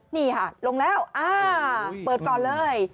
นี่ค่ะลงแล้วเปิดก่อนเลย